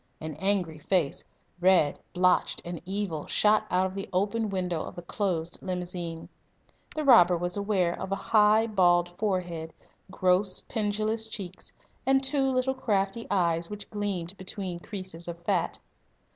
An angry face, red, blotched, and evil, shot out of the open window of the closed limousine. The robber was aware of a high, bald forehead, gross pendulous cheeks, and two little crafty eyes which gleamed between creases of fat.